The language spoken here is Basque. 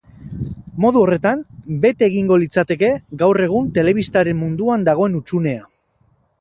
Modu horretan, bete egingo litzateke gaur egun telebistaren munduan dagoen hutsunea.